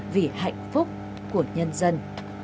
vì hạnh phúc của nhân dân